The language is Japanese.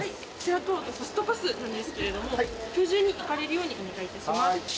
あとファストパスなんですけれども今日中に行かれるようにお願いいたします。